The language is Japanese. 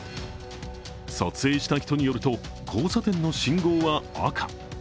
撮影した人によると、交差点の信号は赤。